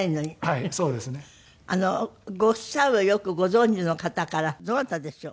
はいそうですね。ご夫妻をよくご存じの方からどなたでしょう？